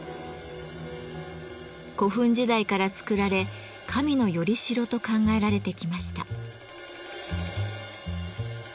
古墳時代から作られ神の「依代」と考えられてきました。